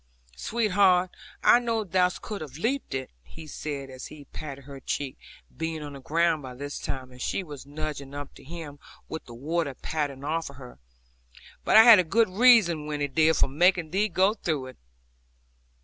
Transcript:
'Sweetheart, I know thou couldst have leaped it,' he said, as he patted her cheek, being on the ground by this time, and she was nudging up to him, with the water pattering off her; 'but I had good reason, Winnie dear, for making thee go through it.'